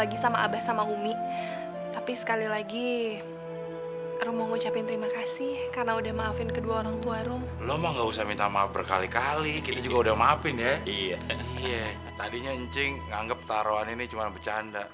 iya tadinya ncing nganggep taruhan ini cuma bercanda